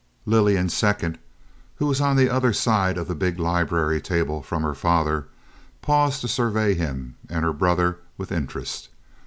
Lillian, second, who was on the other side of the big library table from her father, paused to survey him and her brother with interest.